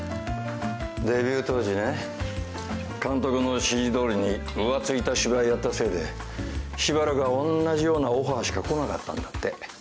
デビュー当時ね監督の指示どおりに浮ついた芝居やったせいでしばらくはおんなじようなオファーしか来なかったんだって。